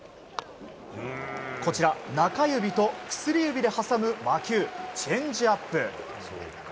こちら、中指と薬指で挟む魔球、チェンジアップ。